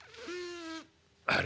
「あれ？